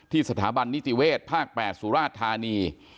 สถาบันนิติเวศภาค๘สุราชธานี